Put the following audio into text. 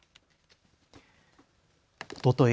おととい